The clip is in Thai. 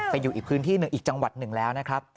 อยู่อีกพื้นที่หนึ่งอีกจังหวัดหนึ่งแล้วนะครับ